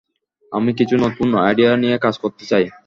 আমি কিছু নতুন আইডিয়া নিয়ে কাজ করতে চাই।